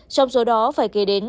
trong số đó phải kể đến